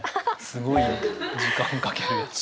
すごい時間かける。